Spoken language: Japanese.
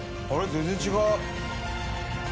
全然違う。